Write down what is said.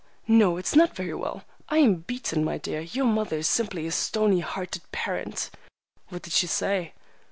No, it's not very well. I am beaten, my dear. Your mother is simply a stony hearted parent!" "What did she say?"